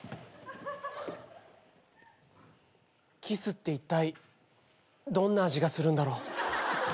キスっていったいどんな味がするんだろう。